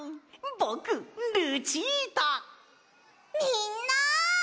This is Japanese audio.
みんな。